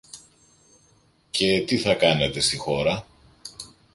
Και τι θα κάνετε στη χώρα;